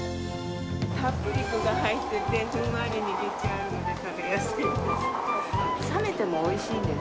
たっぷり具が入ってて、ふんわり握ってあるので、食べやすいです。